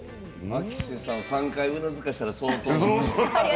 牧瀬さんを３回うなずかせたら相当。